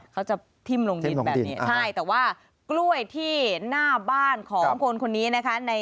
เขาจะทิ้มลงดินแบบนี้ใช่แต่ว่ากล้วยที่หน้าบ้านของคนคนนี้นะคะ